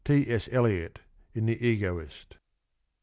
— T. S. Eliot in The Egoist.